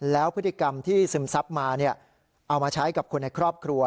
แล้วพฤติกรรมที่ซึมซับมาเอามาใช้กับคนในครอบครัว